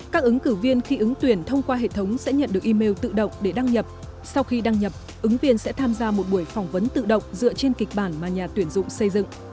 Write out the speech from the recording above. các ứng cử viên khi ứng tuyển thông qua hệ thống sẽ nhận được email tự động để đăng nhập sau khi đăng nhập ứng viên sẽ tham gia một buổi phỏng vấn tự động dựa trên kịch bản mà nhà tuyển dụng xây dựng